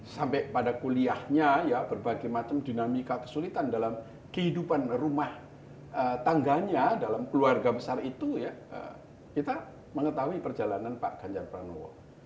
sampai pada kuliahnya ya berbagai macam dinamika kesulitan dalam kehidupan rumah tangganya dalam keluarga besar itu ya kita mengetahui perjalanan pak ganjar pranowo